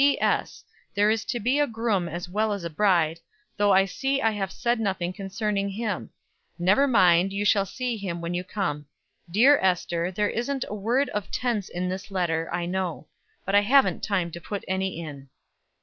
"P.S. There is to be a groom as well as a bride, though I see I have said nothing concerning him. Never mind, you shall see him when you come. Dear Ester, there isn't a word of tense in this letter, I know; but I haven't time to put any in."